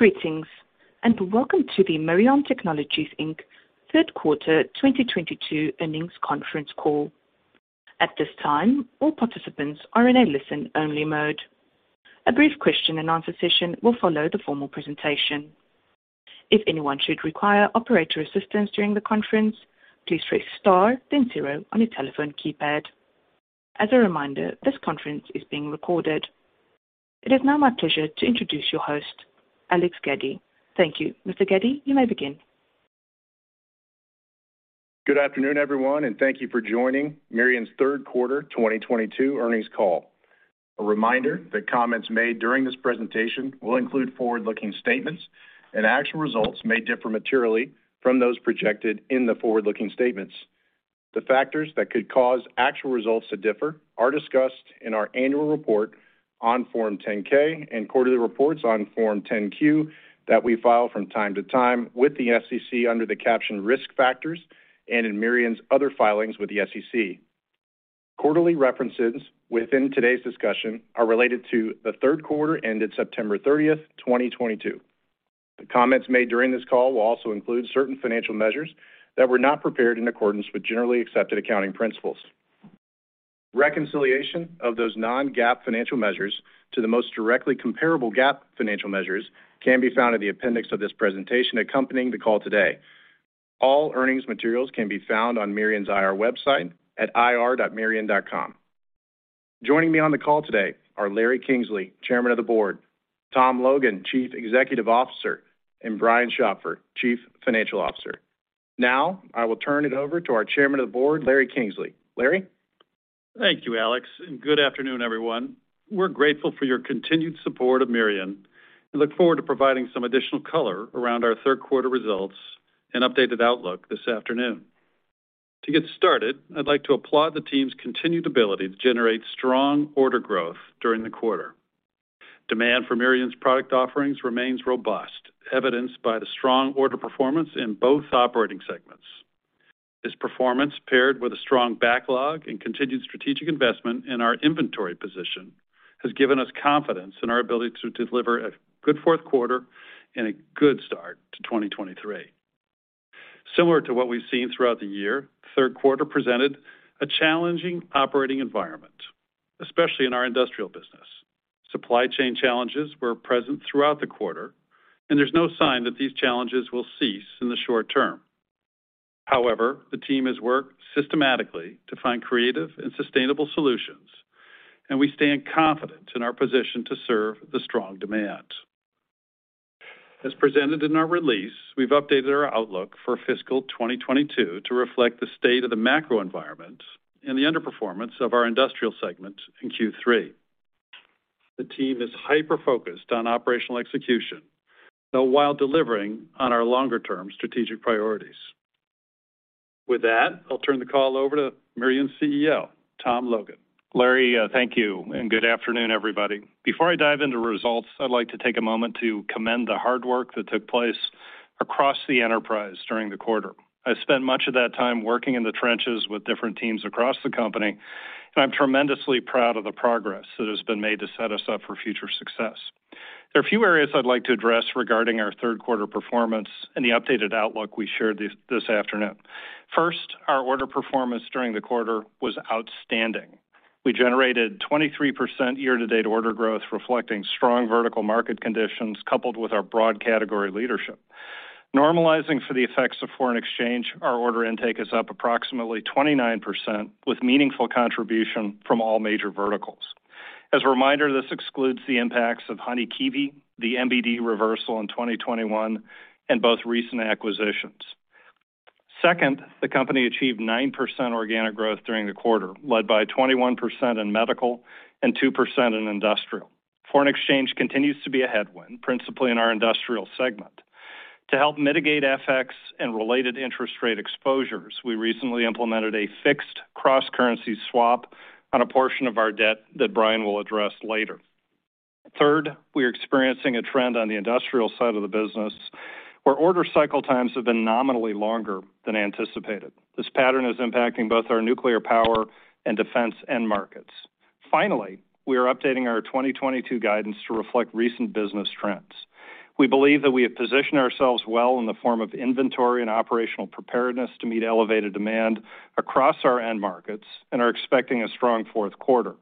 Greetings, and welcome to the Mirion Technologies, Inc. Third Quarter 2022 Earnings Conference Call. At this time, all participants are in a listen-only mode. A brief question-and-answer session will follow the formal presentation. If anyone should require operator assistance during the conference, please press star then zero on your telephone keypad. As a reminder, this conference is being recorded. It is now my pleasure to introduce your host, Alex Gaddy. Thank you. Mr. Gaddy, you may begin. Good afternoon, everyone, and thank you for joining Mirion's Third Quarter 2022 Earnings Call. A reminder that comments made during this presentation will include forward-looking statements and actual results may differ materially from those projected in the forward-looking statements. The factors that could cause actual results to differ are discussed in our annual report on Form 10-K and quarterly reports on Form 10-Q that we file from time to time with the SEC under the caption Risk Factors and in Mirion's other filings with the SEC. Quarterly references within today's discussion are related to the third quarter ended September 30th, 2022. The comments made during this call will also include certain financial measures that were not prepared in accordance with generally accepted accounting principles. Reconciliation of those non-GAAP financial measures to the most directly comparable GAAP financial measures can be found in the appendix of this presentation accompanying the call today. All earnings materials can be found on Mirion's IR website at ir.mirion.com. Joining me on the call today are Larry Kingsley, Chairman of the Board, Tom Logan, Chief Executive Officer, and Brian Schopfer, Chief Financial Officer. Now, I will turn it over to our Chairman of the Board, Larry Kingsley. Larry. Thank you, Alex, and good afternoon, everyone. We're grateful for your continued support of Mirion and look forward to providing some additional color around our third quarter results and updated outlook this afternoon. To get started, I'd like to applaud the team's continued ability to generate strong order growth during the quarter. Demand for Mirion's product offerings remains robust, evidenced by the strong order performance in both operating segments. This performance, paired with a strong backlog and continued strategic investment in our inventory position, has given us confidence in our ability to deliver a good fourth quarter and a good start to 2023. Similar to what we've seen throughout the year, the third quarter presented a challenging operating environment, especially in our Industrial business. Supply chain challenges were present throughout the quarter, and there's no sign that these challenges will cease in the short term. However, the team has worked systematically to find creative and sustainable solutions, and we stand confident in our position to serve the strong demand. As presented in our release, we've updated our outlook for fiscal 2022 to reflect the state of the macro environment and the underperformance of our Industrial segment in Q3. The team is hyper-focused on operational execution while delivering on our longer-term strategic priorities. With that, I'll turn the call over to Mirion's CEO, Tom Logan. Larry, thank you, and good afternoon, everybody. Before I dive into results, I'd like to take a moment to commend the hard work that took place across the enterprise during the quarter. I spent much of that time working in the trenches with different teams across the company, and I'm tremendously proud of the progress that has been made to set us up for future success. There are a few areas I'd like to address regarding our third quarter performance and the updated outlook we shared this afternoon. First, our order performance during the quarter was outstanding. We generated 23% year-to-date order growth reflecting strong vertical market conditions coupled with our broad category leadership. Normalizing for the effects of foreign exchange, our order intake is up approximately 29% with meaningful contribution from all major verticals. As a reminder, this excludes the impacts of Hanhikivi, the MBD-2 reversal in 2021, and both recent acquisitions. Second, the company achieved 9% organic growth during the quarter, led by 21% in Medical and 2% in Industrial. Foreign exchange continues to be a headwind, principally in our Industrial segment. To help mitigate FX and related interest rate exposures, we recently implemented a fixed cross-currency swap on a portion of our debt that Brian will address later. Third, we're experiencing a trend on the Industrial side of the business where order cycle times have been nominally longer than anticipated. This pattern is impacting both our nuclear power and defense end-markets. Finally, we are updating our 2022 guidance to reflect recent business trends. We believe that we have positioned ourselves well in the form of inventory and operational preparedness to meet elevated demand across our end-markets and are expecting a strong fourth quarter.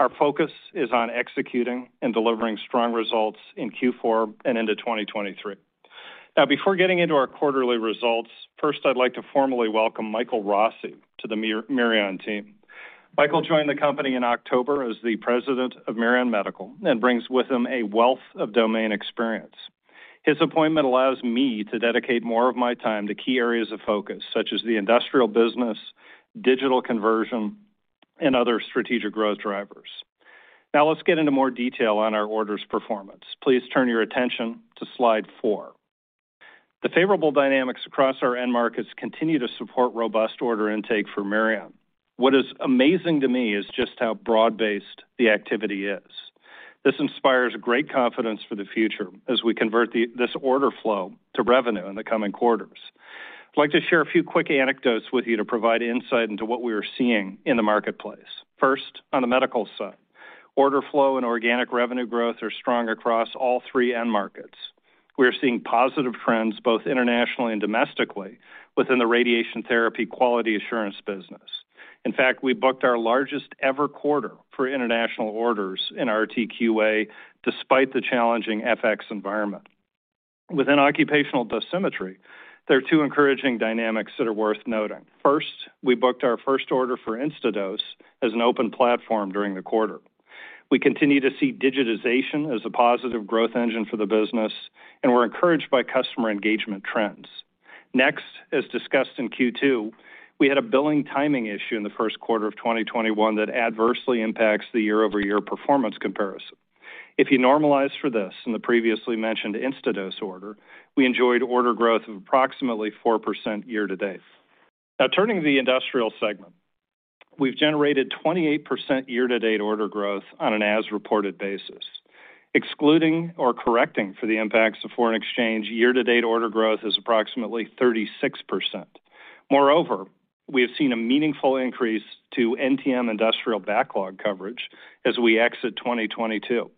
Our focus is on executing and delivering strong results in Q4 and into 2023. Now before getting into our quarterly results, first I'd like to formally welcome Michael Rossi to the Mirion team. Michael joined the company in October as the President of Mirion Medical, and brings with him a wealth of domain experience. His appointment allows me to dedicate more of my time to key areas of focus, such as the Industrial business, digital conversion, and other strategic growth drivers. Now let's get into more detail on our orders performance. Please turn your attention to slide four. The favorable dynamics across our end-markets continue to support robust order intake for Mirion. What is amazing to me is just how broad-based the activity is. This inspires great confidence for the future as we convert this order flow to revenue in the coming quarters. I'd like to share a few quick anecdotes with you to provide insight into what we are seeing in the marketplace. First, on the Medical side, order flow and organic revenue growth are strong across all three end-markets. We are seeing positive trends both internationally and domestically within the Radiation Therapy Quality Assurance business. In fact, we booked our largest ever quarter for international orders in RTQA despite the challenging FX environment. Within occupational dosimetry, there are two encouraging dynamics that are worth noting. First, we booked our first order for Instadose as an open platform during the quarter. We continue to see digitization as a positive growth engine for the business, and we're encouraged by customer engagement trends. Next, as discussed in Q2, we had a billing timing issue in the first quarter of 2021 that adversely impacts the year-over-year performance comparison. If you normalize for this and the previously mentioned Instadose order, we enjoyed order growth of approximately 4% year-to-date. Now turning to the Industrial segment. We've generated 28% year-to-date order growth on an as-reported basis. Excluding or correcting for the impacts of foreign exchange, year-to-date order growth is approximately 36%. Moreover, we have seen a meaningful increase to NTM Industrial backlog coverage as we exit 2022.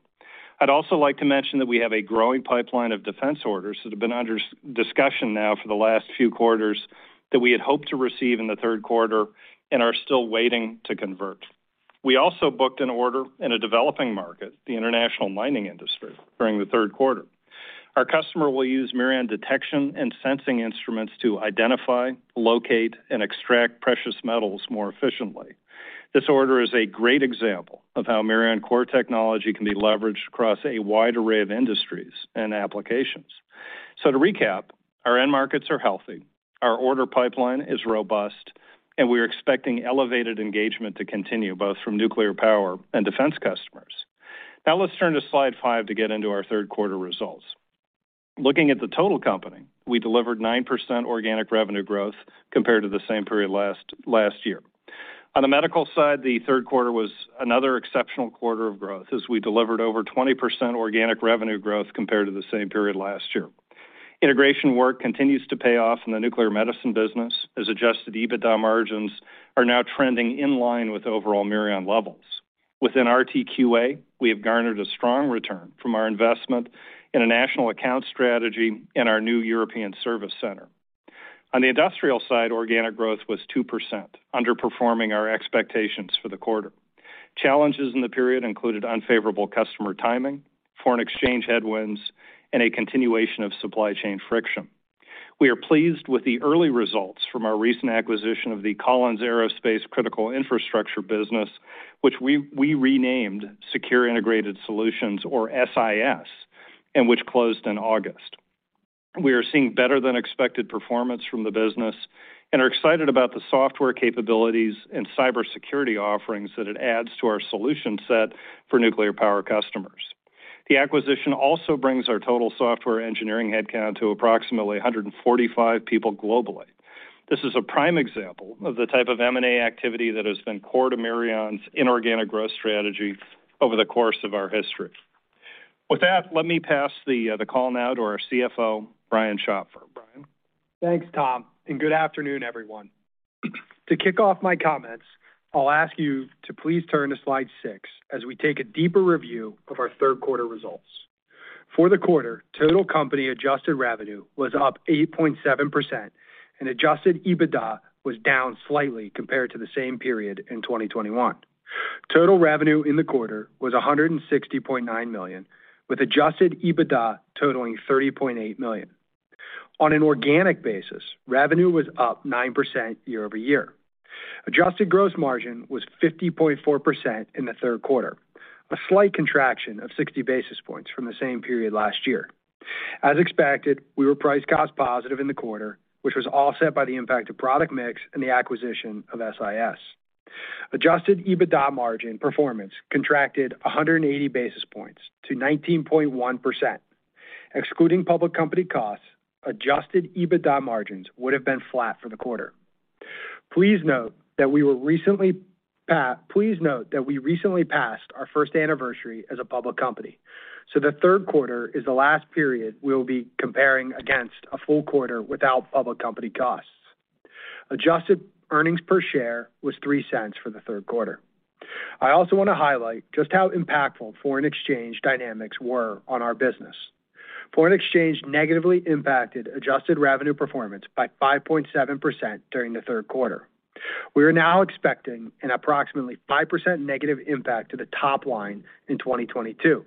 I'd also like to mention that we have a growing pipeline of defense orders that have been under discussion now for the last few quarters that we had hoped to receive in the third quarter and are still waiting to convert. We also booked an order in a developing market, the international mining industry, during the third quarter. Our customer will use Mirion detection and sensing instruments to identify, locate, and extract precious metals more efficiently. This order is a great example of how Mirion core technology can be leveraged across a wide array of industries and applications. To recap, our end-markets are healthy, our order pipeline is robust, and we are expecting elevated engagement to continue both from nuclear power and defense customers. Now let's turn to slide five to get into our third quarter results. Looking at the total company, we delivered 9% organic revenue growth compared to the same period last year. On the Medical side, the third quarter was another exceptional quarter of growth as we delivered over 20% organic revenue growth compared to the same period last year. Integration work continues to pay off in the nuclear medicine business as adjusted EBITDA margins are now trending in line with overall Mirion levels. Within RTQA, we have garnered a strong return from our investment in a national account strategy and our new European service center. On the Industrial side, organic growth was 2%, underperforming our expectations for the quarter. Challenges in the period included unfavorable customer timing, foreign exchange headwinds, and a continuation of supply chain friction. We are pleased with the early results from our recent acquisition of the Collins Aerospace Critical Infrastructure business, which we renamed Secure Integrated Solutions or SIS, and which closed in August. We are seeing better than expected performance from the business and are excited about the software capabilities and cybersecurity offerings that it adds to our solution set for nuclear power customers. The acquisition also brings our total software engineering headcount to approximately 145 people globally. This is a prime example of the type of M&A activity that has been core to Mirion's inorganic growth strategy over the course of our history. With that, let me pass the call now to our CFO, Brian Schopfer. Brian. Thanks, Tom, and good afternoon, everyone. To kick off my comments, I'll ask you to please turn to slide six as we take a deeper review of our third quarter results. For the quarter, total company adjusted revenue was up 8.7% and Adjusted EBITDA was down slightly compared to the same period in 2021. Total revenue in the quarter was $160.9 million with Adjusted EBITDA totaling $30.8 million. On an organic basis, revenue was up 9% year-over-year. Adjusted gross margin was 50.4% in the third quarter, a slight contraction of 60 basis points from the same period last year. As expected, we were price-cost positive in the quarter, which was offset by the impact of product mix and the acquisition of SIS. Adjusted EBITDA margin performance contracted 180 basis points to 19.1%. Excluding public company costs, adjusted EBITDA margins would have been flat for the quarter. Please note that we recently passed our first anniversary as a public company, so the third quarter is the last period we'll be comparing against a full quarter without public company costs. Adjusted earnings per share was $0.03 for the third quarter. I also want to highlight just how impactful foreign exchange dynamics were on our business. Foreign exchange negatively impacted adjusted revenue performance by 5.7% during the third quarter. We are now expecting an approximately 5%- impact to the top-line in 2022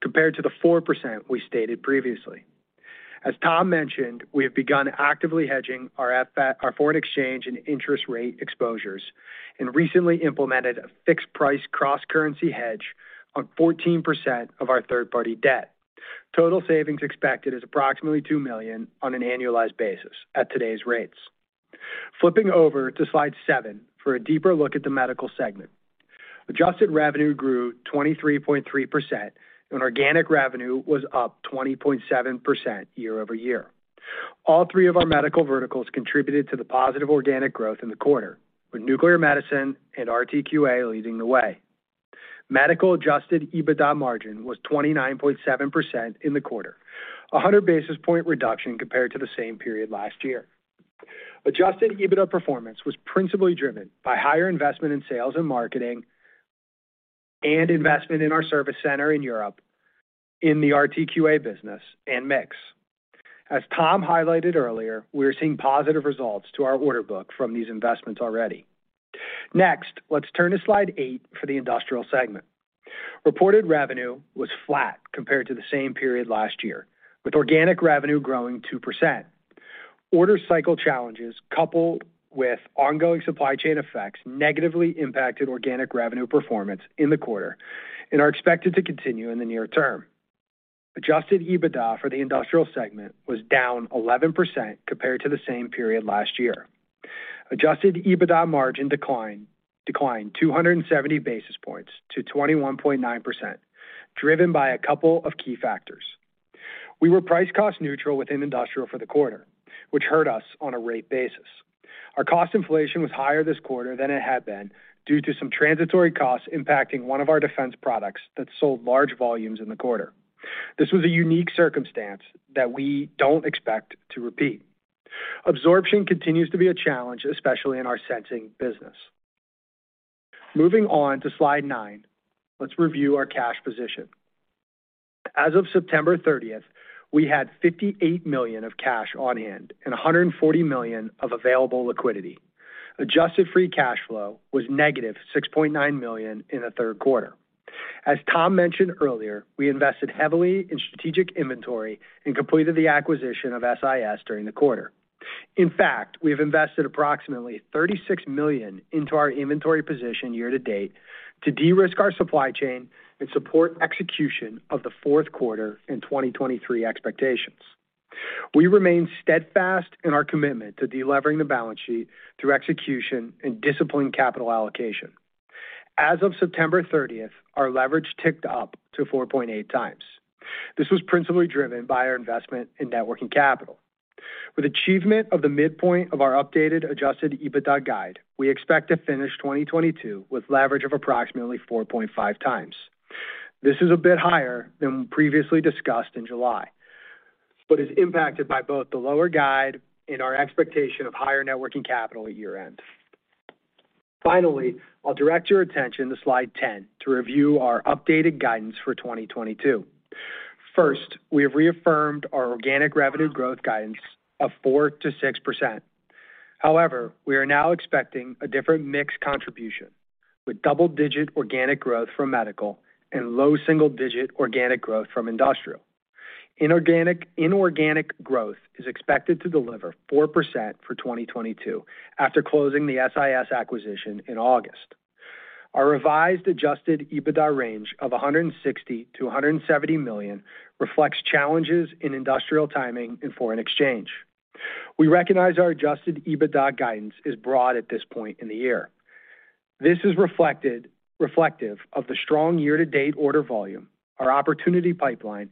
compared to the 4% we stated previously. As Tom mentioned, we have begun actively hedging our foreign exchange and interest rate exposures and recently implemented a fixed price cross-currency hedge on 14% of our third-party debt. Total savings expected is approximately $2 million on an annualized basis at today's rates. Flipping over to slide seven for a deeper look at the Medical segment. Adjusted revenue grew 23.3% and organic revenue was up 20.7% year-over-year. All three of our Medical verticals contributed to the positive organic growth in the quarter, with nuclear medicine and RTQA leading the way. Medical adjusted EBITDA margin was 29.7% in the quarter, a 100 basis point reduction compared to the same period last year. Adjusted EBITDA performance was principally driven by higher investment in sales and marketing and investment in our service center in Europe in the RTQA business and mix. As Tom highlighted earlier, we are seeing positive results to our order book from these investments already. Next, let's turn to slide eight for the Industrial segment. Reported revenue was flat compared to the same period last year, with organic revenue growing 2%. Order cycle challenges coupled with ongoing supply chain effects negatively impacted organic revenue performance in the quarter and are expected to continue in the near-term. Adjusted EBITDA for the Industrial segment was down 11% compared to the same period last year. Adjusted EBITDA margin declined 270 basis points to 21.9%, driven by a couple of key factors. We were price cost neutral within Industrial for the quarter, which hurt us on a rate basis. Our cost inflation was higher this quarter than it had been due to some transitory costs impacting one of our defense products that sold large volumes in the quarter. This was a unique circumstance that we don't expect to repeat. Absorption continues to be a challenge, especially in our sensing business. Moving on to slide nine, let's review our cash position. As of September 30th, we had $58 million of cash on hand and $140 million of available liquidity. Adjusted free cash flow was -$6.9 million in the third quarter. As Tom mentioned earlier, we invested heavily in strategic inventory and completed the acquisition of SIS during the quarter. In fact, we have invested approximately $36 million into our inventory position year-to-date to de-risk our supply chain and support execution of the fourth quarter and 2023 expectations. We remain steadfast in our commitment to de-levering the balance sheet through execution and disciplined capital allocation. As of September 30th, our leverage ticked up to 4.8x. This was principally driven by our investment in net working capital. With achievement of the midpoint of our updated Adjusted EBITDA guide, we expect to finish 2022 with leverage of approximately 4.5x. This is a bit higher than previously discussed in July, but is impacted by both the lower guide and our expectation of higher net working capital at year-end. Finally, I'll direct your attention to slide 10 to review our updated guidance for 2022. First, we have reaffirmed our organic revenue growth guidance of 4%-6%. However, we are now expecting a different mix contribution with double-digit organic growth from Medical and low single-digit organic growth from Industrial. Inorganic growth is expected to deliver 4% for 2022 after closing the SIS acquisition in August. Our revised Adjusted EBITDA range of $160 million-$170 million reflects challenges in industrial timing and foreign exchange. We recognize our Adjusted EBITDA guidance is broad at this point in the year. This is reflective of the strong year-to-date order volume, our opportunity pipeline,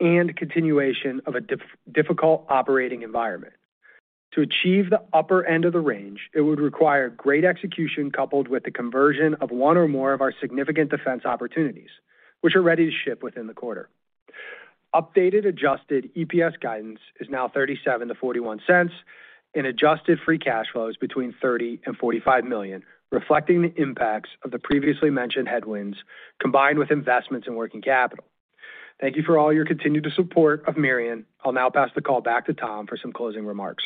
and continuation of a difficult operating environment. To achieve the upper end of the range, it would require great execution coupled with the conversion of one or more of our significant defense opportunities, which are ready to ship within the quarter. Updated Adjusted EPS guidance is now $0.37-$0.41, and adjusted free cash flow is between $30 million and $45 million, reflecting the impacts of the previously mentioned headwinds combined with investments in working capital. Thank you for all your continued support of Mirion. I'll now pass the call back to Tom for some closing remarks.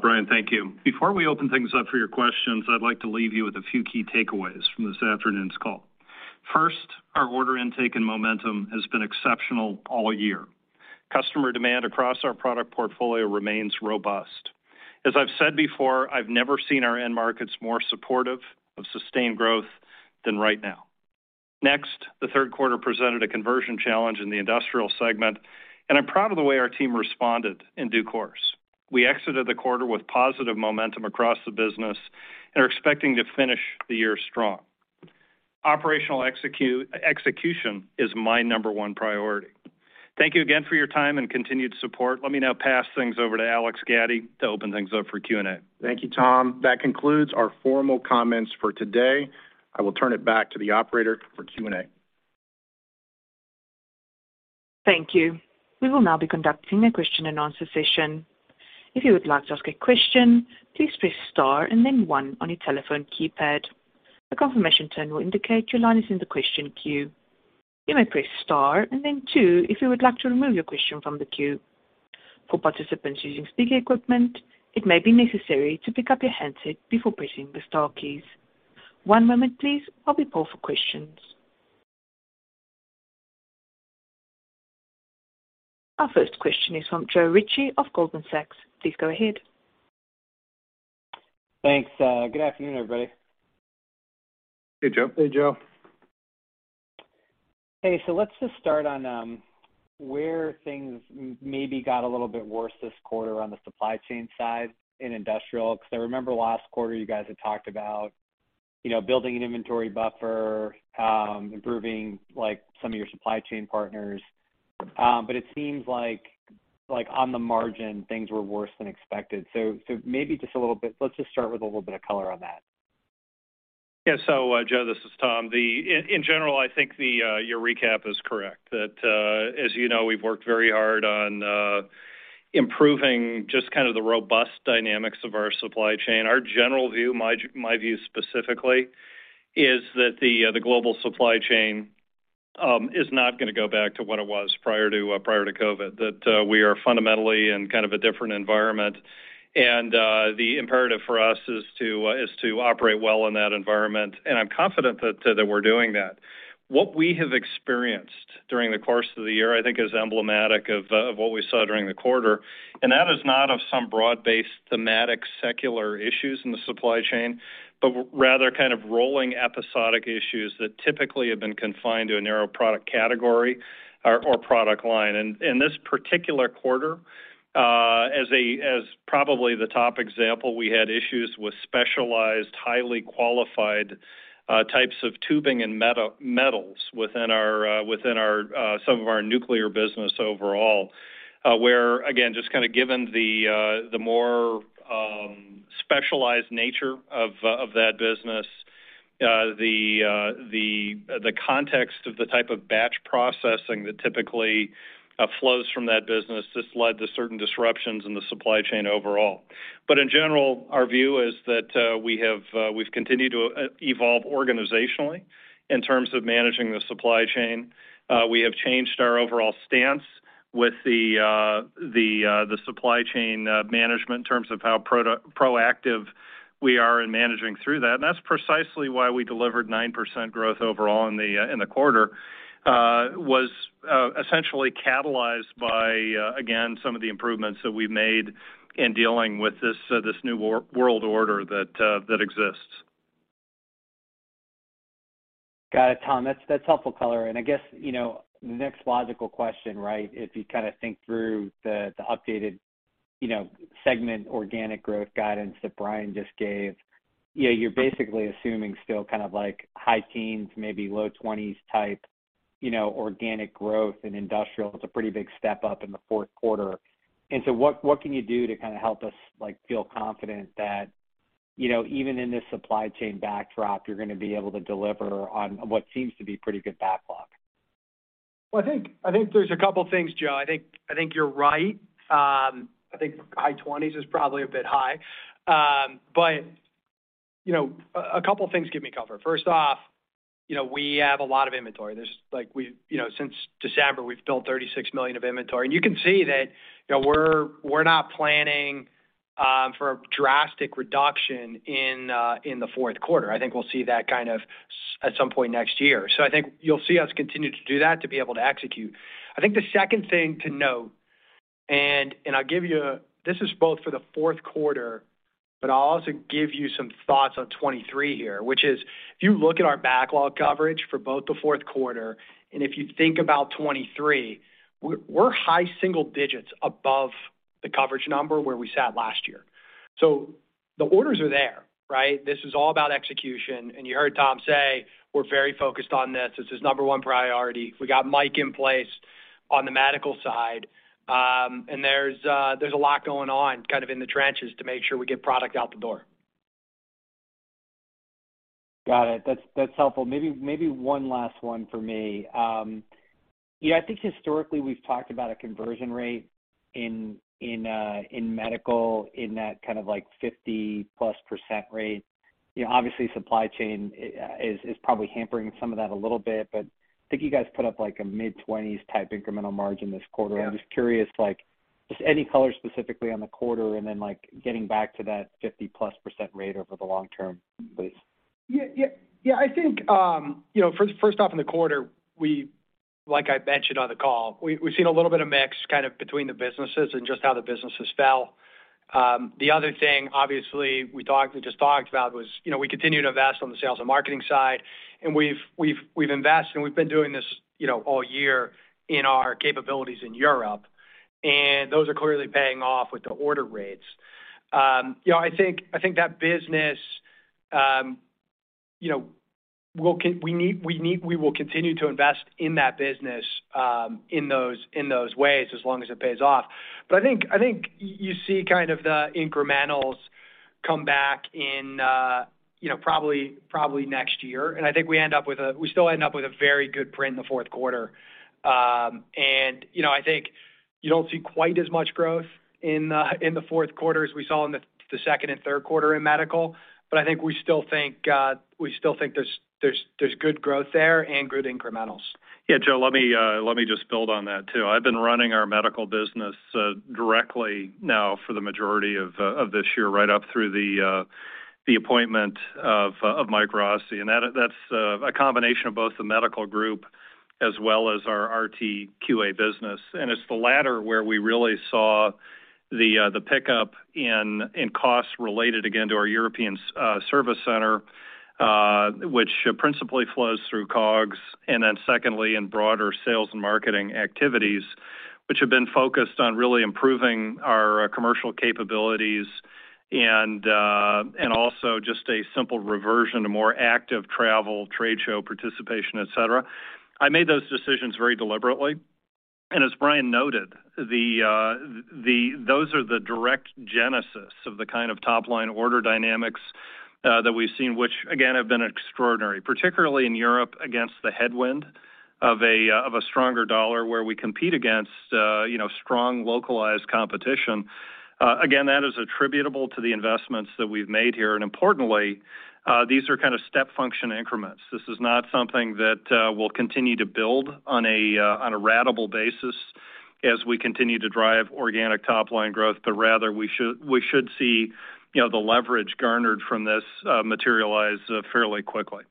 Brian, thank you. Before we open things up for your questions, I'd like to leave you with a few key takeaways from this afternoon's call. First, our order intake and momentum has been exceptional all year. Customer demand across our product portfolio remains robust. As I've said before, I've never seen our end-markets more supportive of sustained growth than right now. Next, the third quarter presented a conversion challenge in the Industrial segment, and I'm proud of the way our team responded in due course. We exited the quarter with positive momentum across the business and are expecting to finish the year strong. Operational execution is my number one priority. Thank you again for your time and continued support. Let me now pass things over to Alex Gaddy to open things up for Q&A. Thank you, Tom. That concludes our formal comments for today. I will turn it back to the operator for Q&A. Thank you. We will now be conducting a question-and-answer session. If you would like to ask a question, please press star and then one on your telephone keypad. A confirmation tone will indicate your line is in the question queue. You may press star and then two if you would like to remove your question from the queue. For participants using speaker equipment, it may be necessary to pick up your handset before pressing the star keys. One moment please while we poll for questions. Our first question is from Joe Ritchie of Goldman Sachs. Please go ahead. Thanks. Good afternoon, everybody. Hey, Joe. Hey, Joe. Hey. Let's just start on where things maybe got a little bit worse this quarter on the supply chain side in Industrial, 'cause I remember last quarter you guys had talked about, you know, building an inventory buffer, improving, like, some of your supply chain partners. But it seems like on the margin, things were worse than expected. So maybe just a little bit. Let's just start with a little bit of color on that. Yeah. Joe, this is Tom. In general, I think your recap is correct that, as you know, we've worked very hard on improving just kind of the robust dynamics of our supply chain. Our general view, my view specifically, is that the global supply chain is not gonna go back to what it was prior to COVID, that we are fundamentally in kind of a different environment. The imperative for us is to operate well in that environment, and I'm confident that we're doing that. What we have experienced during the course of the year, I think is emblematic of what we saw during the quarter, and that is not some broad-based thematic secular issues in the supply chain, but rather kind of rolling episodic issues that typically have been confined to a narrow product category or product line. In this particular quarter, as probably the top example, we had issues with specialized, highly qualified types of tubing and metals within some of our nuclear business overall, where again, just kind of given the more specialized nature of that business, the context of the type of batch processing that typically flows from that business, this led to certain disruptions in the supply chain overall. In general, our view is that we've continued to evolve organizationally in terms of managing the supply chain. We have changed our overall stance with the supply chain management in terms of how proactive we are in managing through that. That's precisely why we delivered 9% growth overall in the quarter, which was essentially catalyzed by again some of the improvements that we made in dealing with this new world order that exists. Got it, Tom. That's helpful color. I guess, you know, next logical question, right, if you kinda think through the updated, you know, segment organic growth guidance that Brian just gave, you know, you're basically assuming still kind of like high-teens, maybe low-twenties type, you know, organic growth in Industrial. It's a pretty big step up in the fourth quarter. What can you do to kinda help us, like, feel confident that, you know, even in this supply chain backdrop, you're gonna be able to deliver on what seems to be pretty good backlog? Well, I think there's a couple things, Joe. I think you're right. I think high-twenties is probably a bit high. You know, a couple things give me cover. First off, you know, we have a lot of inventory. You know, since December, we've built $36 million of inventory. You can see that, you know, we're not planning for a drastic reduction in the fourth quarter. I think we'll see that kind of at some point next year. I think you'll see us continue to do that to be able to execute. I think the second thing to note, and I'll give you a... This is both for the fourth quarter, but I'll also give you some thoughts on 2023 here, which is, if you look at our backlog coverage for both the fourth quarter and if you think about 2023, we're high single-digits above the coverage number where we sat last year. The orders are there, right? This is all about execution. You heard Tom say, we're very focused on this. This is number one priority. We got Mike in place on the Medical side. There's a lot going on kind of in the trenches to make sure we get product out the door. Got it. That's helpful. Maybe one last one for me. You know, I think historically we've talked about a conversion rate in Medical in that kind of like 50%+ rate. You know, obviously supply chain is probably hampering some of that a little bit, but I think you guys put up like a mid-20s type incremental margin this quarter. Yeah. I'm just curious, like, just any color specifically on the quarter and then, like, getting back to that 50%+ rate over the long-term, please? Yeah, yeah. Yeah, I think, you know, first off in the quarter, like I mentioned on the call, we've seen a little bit of mix kind of between the businesses and just how the businesses fell. The other thing, obviously, we just talked about was, you know, we continue to invest on the sales and marketing side, and we've invested and we've been doing this, you know, all year in our capabilities in Europe, and those are clearly paying off with the order rates. You know, I think that business, you know, we will continue to invest in that business, in those ways as long as it pays off. I think you see kind of the incrementals come back in, you know, probably next year. I think we still end up with a very good print in the fourth quarter. You know, I think you don't see quite as much growth in the fourth quarter as we saw in the second and third quarter in Medical. I think we still think there's good growth there and good incrementals. Yeah, Joe, let me just build on that too. I've been running our Medical business directly now for the majority of this year, right up through the appointment of Michael Rossi. That's a combination of both the Medical group as well as our RTQA business. It's the latter where we really saw the pickup in costs related again to our European service center, which principally flows through COGS, and then secondly in broader sales and marketing activities, which have been focused on really improving our commercial capabilities and also just a simple reversion to more active travel, trade show participation, et cetera. I made those decisions very deliberately, and as Brian noted, those are the direct genesis of the kind of top-line order dynamics that we've seen, which again, have been extraordinary. Particularly in Europe against the headwind of a stronger dollar where we compete against you know, strong localized competition. Again, that is attributable to the investments that we've made here. Importantly, these are kind of step function increments. This is not something that we'll continue to build on a ratable basis as we continue to drive organic top line growth, but rather we should see you know, the leverage garnered from this materialize fairly quickly.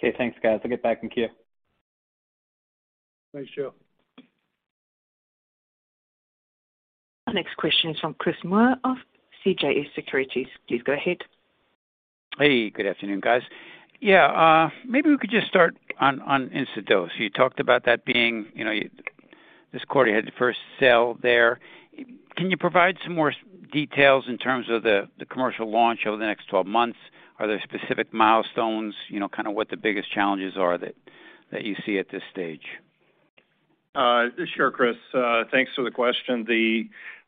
Okay. Thanks, guys. I'll get back in queue. Thanks, Joe. Our next question is from Chris Moore of CJS Securities. Please go ahead. Hey, good afternoon, guys. Yeah, maybe we could just start on Instadose. You talked about that being, you know, this quarter you had the first sale there. Can you provide some more details in terms of the commercial launch over the next 12 months? Are there specific milestones, you know, kind of what the biggest challenges are that you see at this stage? Sure, Chris. Thanks for the question.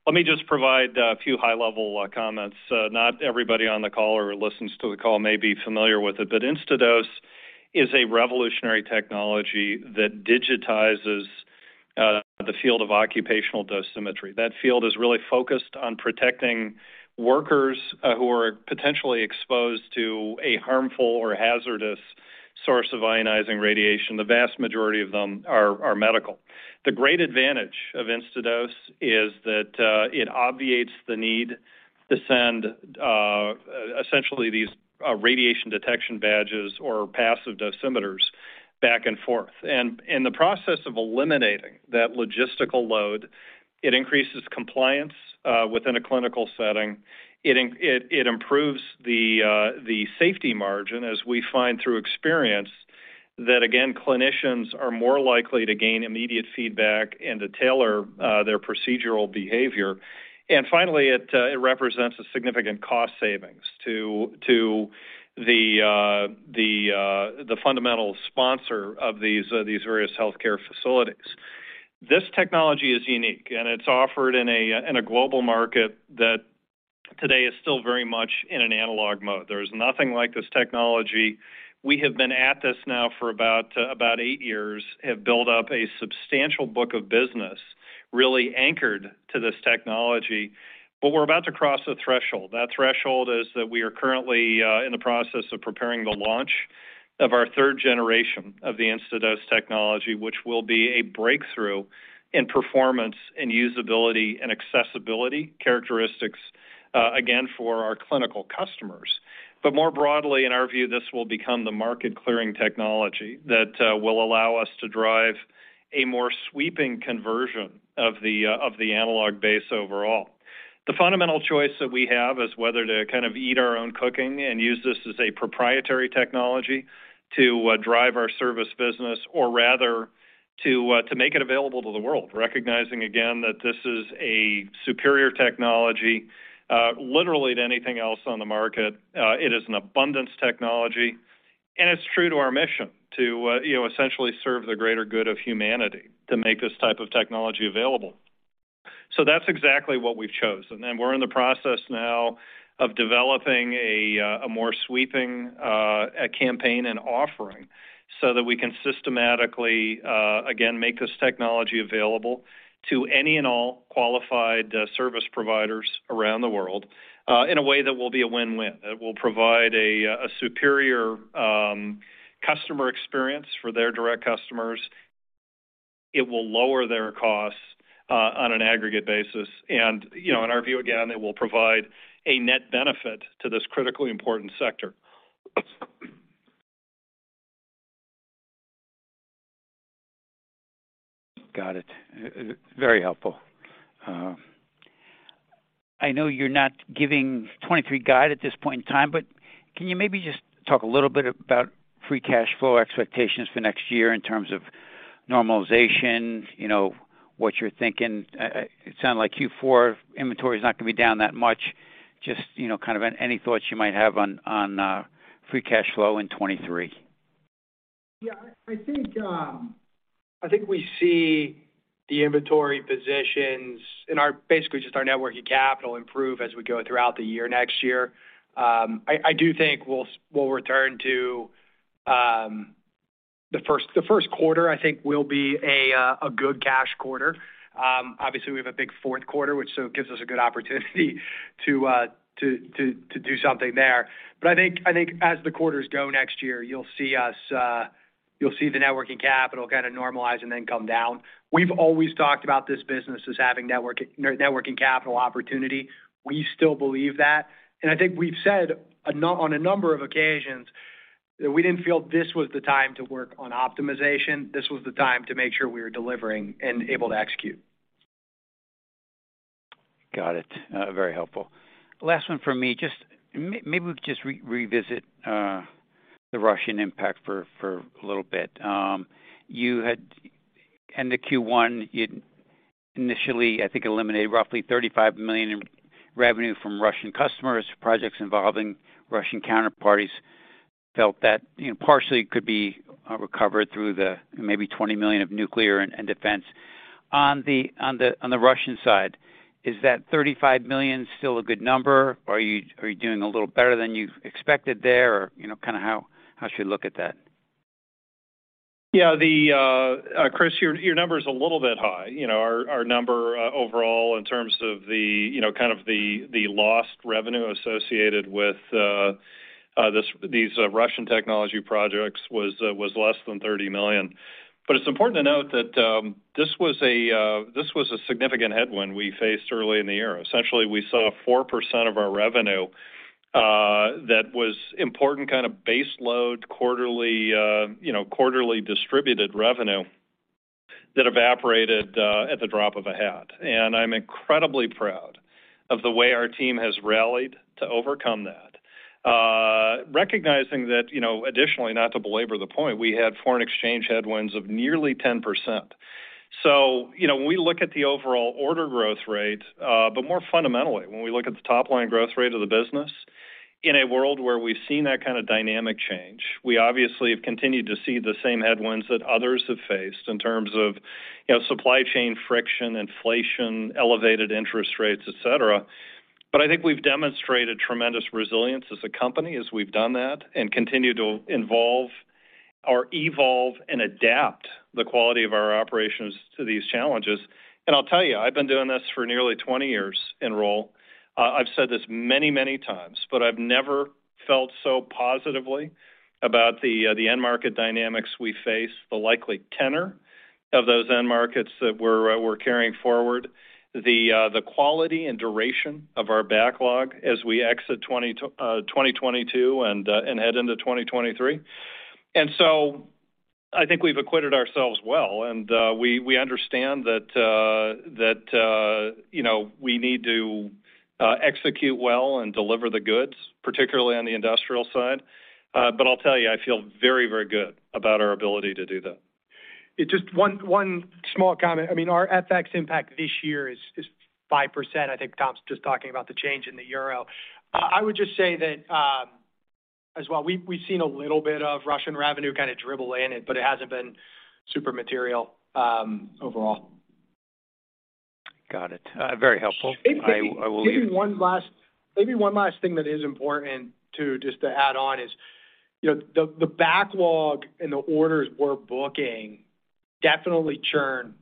Let me just provide a few high-level comments. Not everybody on the call or listens to the call may be familiar with it, but Instadose is a revolutionary technology that digitizes the field of occupational dosimetry. That field is really focused on protecting workers who are potentially exposed to a harmful or hazardous source of ionizing radiation. The vast majority of them are medical. The great advantage of Instadose is that it obviates the need to send essentially these radiation detection badges or passive dosimeters back and forth. In the process of eliminating that logistical load, it increases compliance within a clinical setting. It improves the safety margin as we find through experience that again, clinicians are more likely to gain immediate feedback and to tailor their procedural behavior. Finally, it represents a significant cost savings to the fundamental sponsor of these various healthcare facilities. This technology is unique, and it's offered in a global market that today is still very much in an analog mode. There is nothing like this technology. We have been at this now for about eight years, have built up a substantial book of business really anchored to this technology. We're about to cross a threshold. That threshold is that we are currently in the process of preparing the launch of our third generation of the Instadose technology, which will be a breakthrough in performance and usability and accessibility characteristics, again, for our clinical customers. More broadly, in our view, this will become the market clearing technology that will allow us to drive a more sweeping conversion of the analog base overall. The fundamental choice that we have is whether to kind of eat our own cooking and use this as a proprietary technology to drive our service business, or rather to make it available to the world, recognizing again that this is a superior technology, literally to anything else on the market. It is an abundance technology, and it's true to our mission to, you know, essentially serve the greater good of humanity to make this type of technology available. That's exactly what we've chosen. We're in the process now of developing a more sweeping campaign and offering so that we can systematically, again, make this technology available to any and all qualified service providers around the world, in a way that will be a win-win. It will provide a superior customer experience for their direct customers. It will lower their costs, on an aggregate basis. You know, in our view again, it will provide a net benefit to this critically important sector. Got it. Very helpful. I know you're not giving 2023 guide at this point in time, but can you maybe just talk a little bit about free cash flow expectations for next year in terms of normalization? You know, what you're thinking. It sounded like Q4 inventory is not going to be down that much. Just, you know, kind of any thoughts you might have on free cash flow in 2023. Yeah, I think we see the inventory positions basically just in our working capital improve as we go throughout the year next year. I do think we'll return to the first quarter. I think it will be a good cash quarter. Obviously, we have a big fourth quarter, which gives us a good opportunity to do something there. I think as the quarters go next year, you'll see the working capital kinda normalize and then come down. We've always talked about this business as having working capital opportunity. We still believe that. I think we've said on a number of occasions that we didn't feel this was the time to work on optimization. This was the time to make sure we were delivering and able to execute. Got it. Very helpful. Last one for me. Just maybe we could just revisit the Russian impact for a little bit. You had end of Q1, you initially, I think, eliminated roughly $35 million in revenue from Russian customers, projects involving Russian counterparties. Felt that, you know, partially could be recovered through the maybe $20 million of nuclear and defense. On the Russian side, is that $35 million still a good number? Are you doing a little better than you expected there? Or, you know, kind of how should you look at that? Yeah. Chris, your number is a little bit high. You know, our number overall in terms of the, you know, kind of the lost revenue associated with these Russian technology projects was less than $30 million. It's important to note that this was a significant headwind we faced early in the year. Essentially, we saw 4% of our revenue that was important kind of base load quarterly, you know, quarterly distributed revenue that evaporated at the drop of a hat. I'm incredibly proud of the way our team has rallied to overcome that. Recognizing that, you know, additionally, not to belabor the point, we had foreign exchange headwinds of nearly 10%. You know, when we look at the overall order growth rate, but more fundamentally, when we look at the top-line growth rate of the business, in a world where we've seen that kind of dynamic change, we obviously have continued to see the same headwinds that others have faced in terms of, you know, supply chain friction, inflation, elevated interest rates, et cetera. But I think we've demonstrated tremendous resilience as a company as we've done that and continue to involve or evolve and adapt the quality of our operations to these challenges. I'll tell you, I've been doing this for nearly 20 years in role. I've said this many times, but I've never felt so positively about the end-market dynamics we face, the likely tenor of those end-markets that we're carrying forward, the quality and duration of our backlog as we exit 2022 and head into 2023. I think we've acquitted ourselves well, and we understand that, you know, we need to execute well and deliver the goods, particularly on the Industrial side. I'll tell you, I feel very, very good about our ability to do that. Just one small comment. I mean, our FX impact this year is 5%. I think Tom's just talking about the change in the euro. I would just say that, as well, we've seen a little bit of Russian revenue kind of dribble in it, but it hasn't been super material, overall. Got it. Very helpful. I will leave. Maybe one last thing that is important, too, just to add on is, the backlog and the orders we're booking definitely churn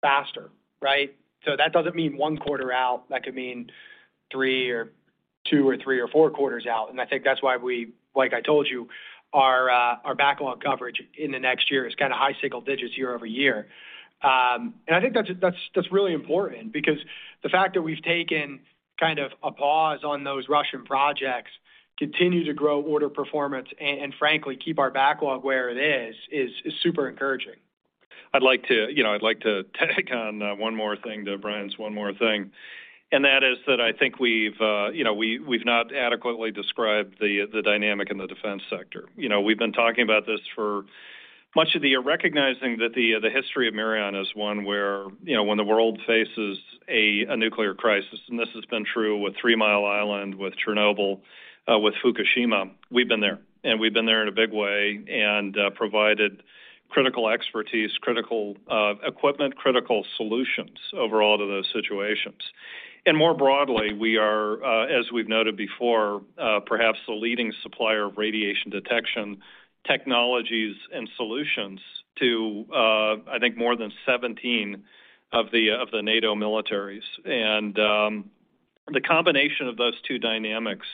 faster, right? That doesn't mean one quarter out. That could mean two or three or four quarters out. I think that's why we, like I told you, our backlog coverage in the next year is kind of high single-digits year-over-year. I think that's really important because the fact that we've taken kind of a pause on those Russian projects continue to grow order performance and frankly, keep our backlog where it is super encouraging. I'd like to tack on one more thing to Brian's one more thing, and that is that I think we've not adequately described the dynamic in the defense sector. You know, we've been talking about this for much of the year, recognizing that the history of Mirion is one where, you know, when the world faces a nuclear crisis, and this has been true with Three Mile Island, with Chernobyl, with Fukushima, we've been there. We've been there in a big way and provided critical expertise, critical equipment, critical solutions over all of those situations. More broadly, we are, as we've noted before, perhaps the leading supplier of radiation detection technologies and solutions to, I think more than 17 of the NATO militaries. The combination of those two dynamics,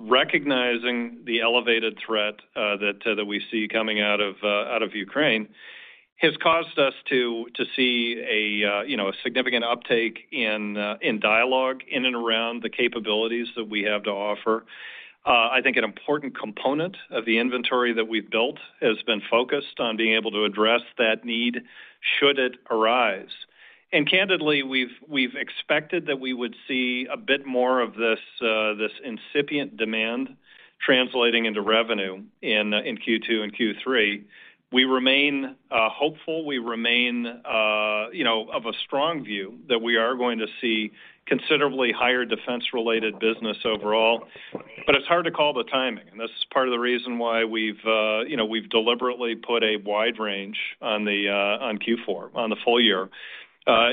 recognizing the elevated threat that we see coming out of Ukraine, has caused us to see, you know, a significant uptake in dialogue in and around the capabilities that we have to offer. I think an important component of the inventory that we've built has been focused on being able to address that need should it arise. Candidly, we've expected that we would see a bit more of this incipient demand translating into revenue in Q2 and Q3. We remain hopeful. We remain, you know, of a strong view that we are going to see considerably higher defense-related business overall. It's hard to call the timing, and this is part of the reason why we've you know deliberately put a wide range on Q4, on the full year,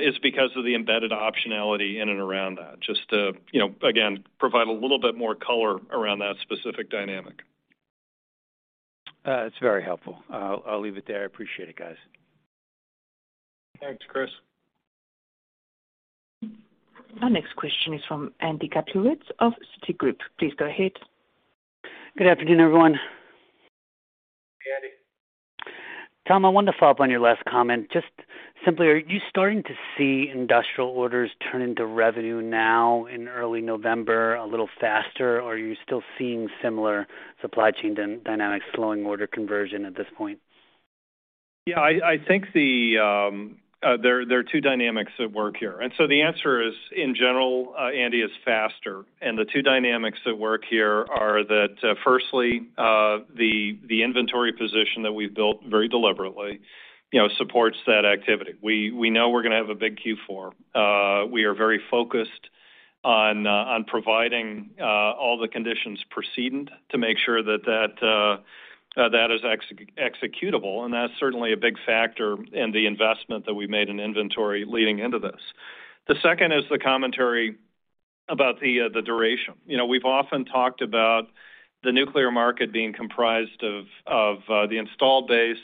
is because of the embedded optionality in and around that. Just to you know again provide a little bit more color around that specific dynamic. It's very helpful. I'll leave it there. I appreciate it, guys. Thanks, Chris. Our next question is from Andy Kaplowitz of Citigroup. Please go ahead. Good afternoon, everyone. Andy. Tom, I wanted to follow-up on your last comment. Just simply, are you starting to see Industrial orders turn into revenue now in early November a little faster, or are you still seeing similar supply chain dynamics slowing order conversion at this point? I think there are two dynamics at work here. The answer is, in general, Andy, is faster. The two dynamics at work here are that, firstly, the inventory position that we've built very deliberately, you know, supports that activity. We know we're gonna have a big Q4. We are very focused on providing all the conditions precedent to make sure that that is executable, and that's certainly a big factor in the investment that we made in inventory leading into this. The second is the commentary about the duration. You know, we've often talked about the nuclear market being comprised of the installed base,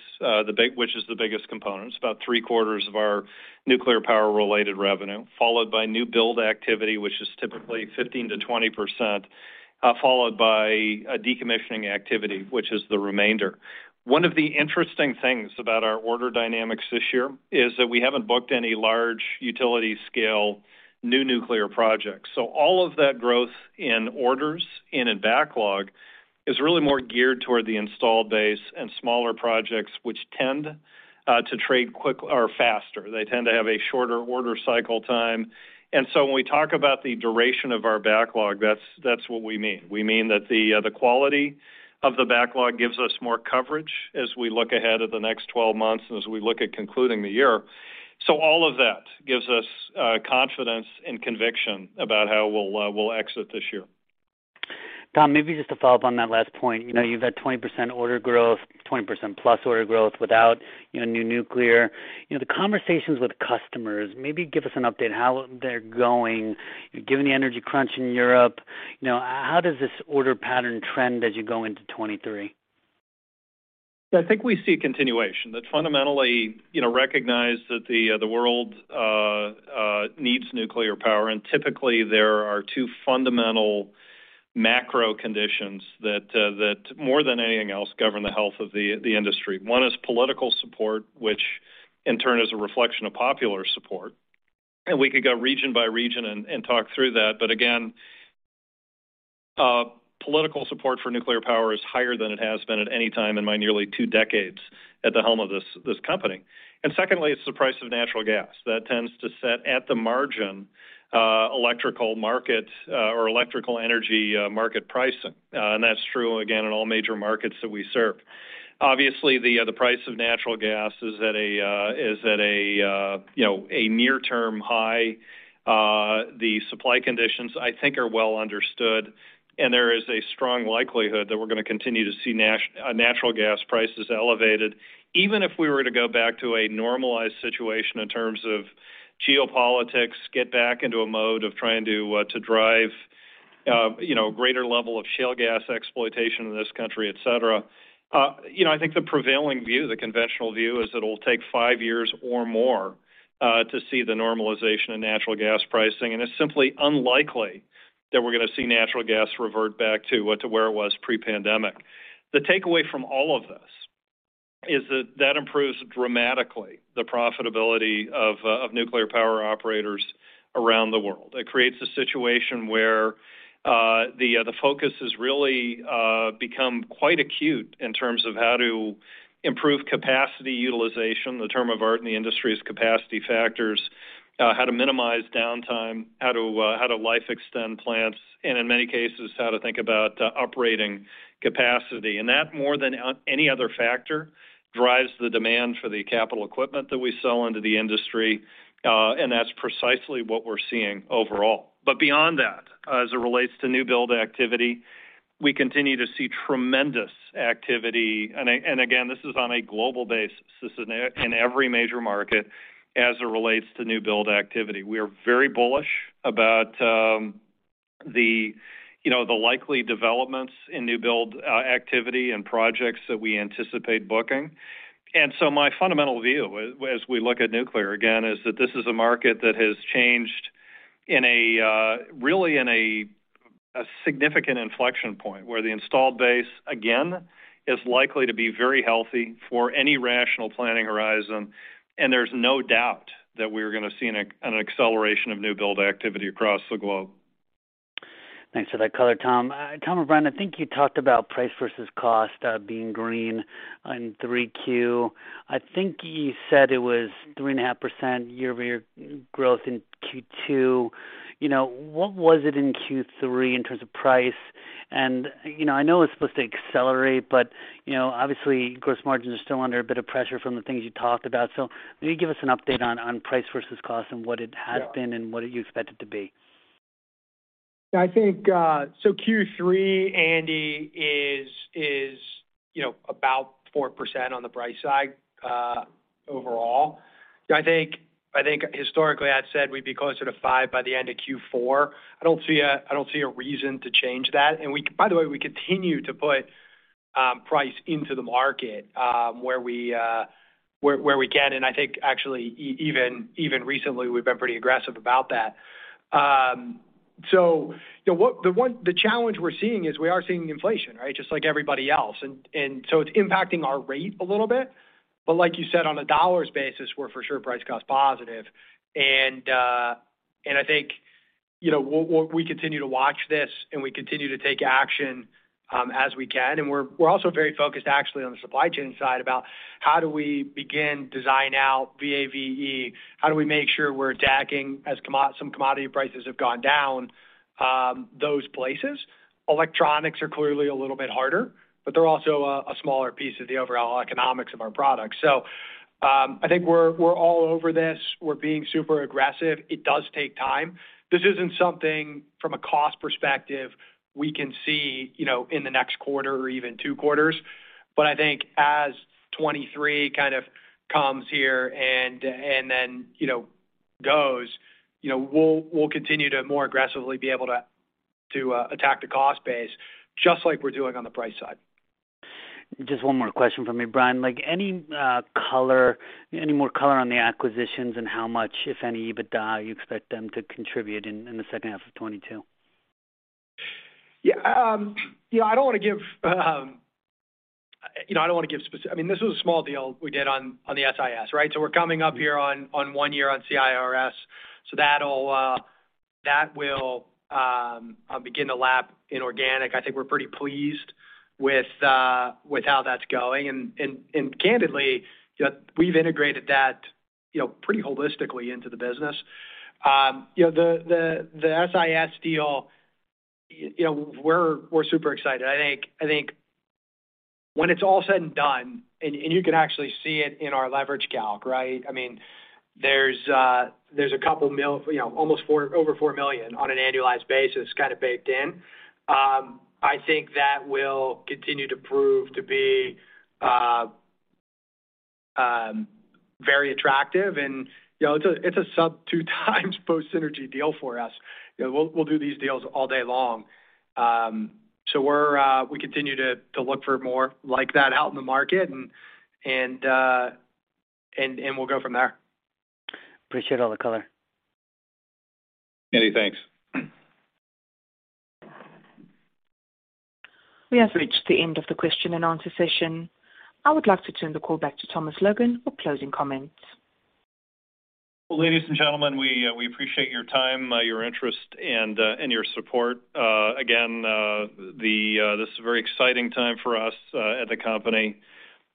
which is the biggest component. It's about three-quarters of our nuclear power-related revenue, followed by new-build activity, which is typically 15%-20%, followed by a decommissioning activity, which is the remainder. One of the interesting things about our order dynamics this year is that we haven't booked any large utility scale new nuclear projects. So all of that growth in orders and in backlog is really more geared toward the installed base and smaller projects, which tend to trade quick or faster. They tend to have a shorter order cycle time. When we talk about the duration of our backlog, that's what we mean. We mean that the the quality of the backlog gives us more coverage as we look ahead at the next 12 months and as we look at concluding the year. All of that gives us confidence and conviction about how we'll exit this year. Tom, maybe just to follow up on that last point. You know, you've had 20% order growth, 20%+ order growth without, you know, new nuclear. You know, the conversations with customers, maybe give us an update how they're going, given the energy crunch in Europe. You know, how does this order pattern trend as you go into 2023? I think we see a continuation that fundamentally, you know, recognize that the world needs nuclear power, and typically there are two fundamental macro conditions that more than anything else govern the health of the industry. One is political support, which in turn is a reflection of popular support. We could go region by region and talk through that. Again, political support for nuclear power is higher than it has been at any time in my nearly two decades at the helm of this company. Secondly, it's the price of natural gas. That tends to set at the margin electrical market or electrical energy market pricing. And that's true again in all major markets that we serve. Obviously, the price of natural gas is at a you know, a near-term high. The supply conditions I think are well understood, and there is a strong likelihood that we're gonna continue to see natural gas prices elevated. Even if we were to go back to a normalized situation in terms of geopolitics, get back into a mode of trying to drive you know, greater level of shale gas exploitation in this country, et cetera, you know, I think the prevailing view, the conventional view, is it'll take five years or more to see the normalization of natural gas pricing. It's simply unlikely that we're gonna see natural gas revert back to where it was pre-pandemic. The takeaway from all of this is that improves dramatically the profitability of nuclear power operators around the world. It creates a situation where the focus has really become quite acute in terms of how to improve capacity utilization, the term of art in the industry's capacity factors, how to minimize downtime, how to life extend plants, and in many cases, how to think about operating capacity. That, more than any other factor, drives the demand for the capital equipment that we sell into the industry, and that's precisely what we're seeing overall. Beyond that, as it relates to new build activity, we continue to see tremendous activity. And again, this is on a global basis, this is in every major market as it relates to new build activity. We are very bullish about, you know, the likely developments in new build activity and projects that we anticipate booking. My fundamental view as we look at nuclear, again, is that this is a market that has changed in a really significant inflection point, where the installed base, again, is likely to be very healthy for any rational planning horizon, and there's no doubt that we're gonna see an acceleration of new-build activity across the globe. Thanks for that color, Tom. Tom and Brian, I think you talked about price versus cost being green in Q3. I think you said it was 3.5% year-over-year growth in Q2. You know, what was it in Q3 in terms of price? You know, I know it's supposed to accelerate, but you know, obviously gross margins are still under a bit of pressure from the things you talked about. Can you give us an update on price versus cost and what it has been and what you expect it to be? I think Q3, Andy is you know, about 4% on the price side, overall. I think historically I'd said we'd be closer to 5% by the end of Q4. I don't see a reason to change that. By the way, we continue to put price into the market where we can. I think actually even recently, we've been pretty aggressive about that. You know, the challenge we're seeing is we are seeing inflation, right? Just like everybody else. So it's impacting our rate a little bit. Like you said, on a dollars basis, we're for sure price cost positive. You know, we'll continue to watch this, and we continue to take action as we can. We're also very focused actually on the supply chain side about how do we begin design out VAVE? How do we make sure we're attacking, as some commodity prices have gone down, those places. Electronics are clearly a little bit harder, but they're also a smaller piece of the overall economics of our products. I think we're all over this. We're being super aggressive. It does take time. This isn't something from a cost perspective we can see, you know, in the next quarter or even two quarters. I think as 2023 kind of comes here and then, you know, goes, you know, we'll continue to more aggressively be able to attack the cost base just like we're doing on the price side. Just one more question from me, Brian. Like, any more color on the acquisitions and how much, if any, EBITDA you expect them to contribute in the second half of 2022? Yeah, you know, I don't wanna give. I mean, this was a small deal we did on the SIS, right? We're coming up here on one year on CIRS, so that'll begin to lap inorganic. I think we're pretty pleased with how that's going. Candidly, we've integrated that, you know, pretty holistically into the business. You know, the SIS deal, you know, we're super excited. I think when it's all said and done, you can actually see it in our leverage calc, right? I mean, there's over $4 million on an annualized basis kinda baked-in. I think that will continue to prove to be very attractive. You know, it's a sub 2x post-synergy deal for us. You know, we'll do these deals all day long. We continue to look for more like that out in the market and we'll go from there. Appreciate all the color. Andy, thanks. We have reached the end of the question-and-answer session. I would like to turn the call back to Thomas Logan for closing comments. Ladies and gentlemen, we appreciate your time, your interest, and your support. Again, this is a very exciting time for us at the company.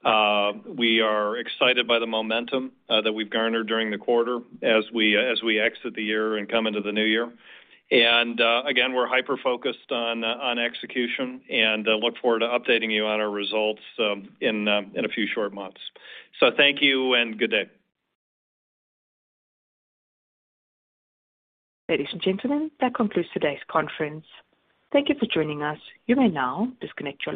We are excited by the momentum that we've garnered during the quarter as we exit the year and come into the new year. Again, we're hyper-focused on execution and look forward to updating you on our results in a few short months. Thank you and good day. Ladies and gentlemen, that concludes today's conference. Thank you for joining us. You may now disconnect your line.